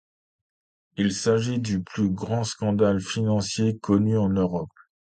Il s'agit du plus grand scandale financier connu en Europe.